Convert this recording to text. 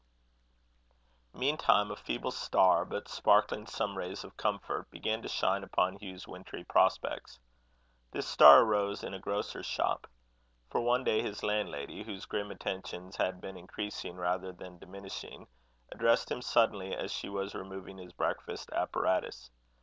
Meantime a feeble star, but sparkling some rays of comfort, began to shine upon Hugh's wintry prospects. The star arose in a grocer's shop. For one day his landlady, whose grim attentions had been increasing rather than diminishing, addressed him suddenly as she was removing his breakfast apparatus.